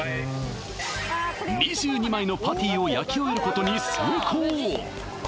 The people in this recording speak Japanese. ２２枚のパティを焼き終えることに成功！